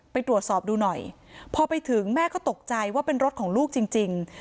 ไปตรวจสอบดูหน่อยพอไปถึงแม่ก็ตกใจว่าเป็นรถของลูกจริง